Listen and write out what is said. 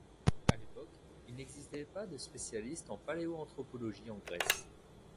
À l'époque il n'existait pas de spécialistes de paléoanthropologie en Grèce.